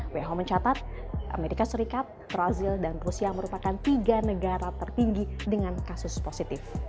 who mencatat amerika serikat brazil dan rusia merupakan tiga negara tertinggi dengan kasus positif